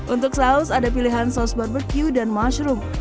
untuk saus ada pilihan saus barbecue dan mushroom